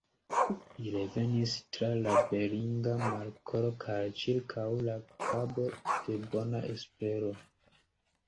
Li revenis tra la Beringa Markolo kaj ĉirkaŭ la Kabo de Bona Espero.